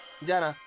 じゃあな。